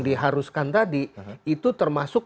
diharuskan tadi itu termasuk